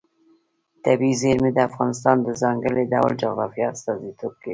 طبیعي زیرمې د افغانستان د ځانګړي ډول جغرافیه استازیتوب کوي.